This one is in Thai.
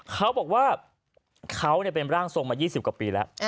เขาบอกว่าเขาเป็นร่างทรงมา๒๐กว่าปีแล้ว